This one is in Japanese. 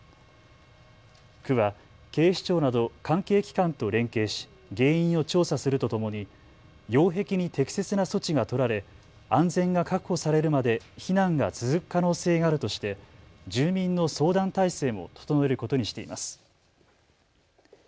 区は警視庁など関係機関と連携し原因を調査するとともに擁壁に適切な措置が取られ安全が確保されるまで避難が続く可能性があるとして住民の相談態勢も整えることにしています。